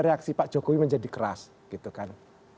reaksi pak jokowi menjadi keras gitu kan